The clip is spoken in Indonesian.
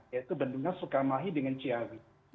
yaitu bendungan sukamahi dengan ciawi